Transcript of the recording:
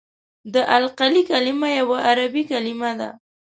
د القلي کلمه یوه عربي کلمه ده.